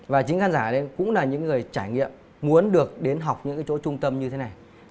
và chính khán giả cũng là những người trải nghiệm muốn được đến học những cái chỗ trung tâm như thế này